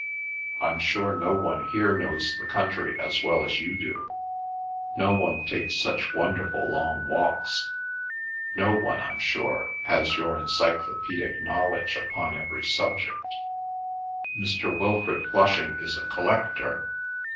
I'm sure no one here knows the country as well as you do. No one takes such wonderful long walks. No one, I'm sure, has your encyclopaedic knowledge upon every subject. Mr. Wilfrid Flushing is a collector.